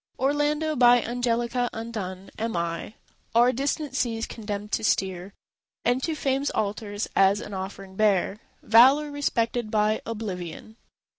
Orlando, by Angelica undone, Am I; o'er distant seas condemned to steer, And to Fame's altars as an offering bear Valour respected by Oblivion.